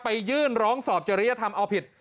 ยื่นร้องสอบจริยธรรมเอาผิด